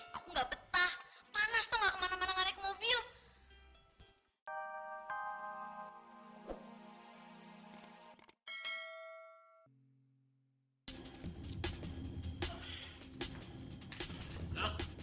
aku gak betah panas tuh gak kemana mana nganek mobil